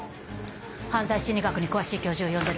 犯罪心理学に詳しい教授を呼んでる。